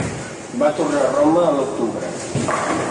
Va tornar a Roma a l'octubre.